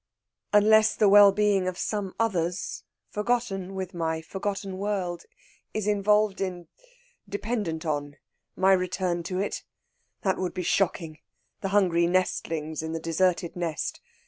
"Unless the well being of some others, forgotten with my forgotten world, is involved in dependent on my return to it. That would be shocking the hungry nestlings in the deserted nest.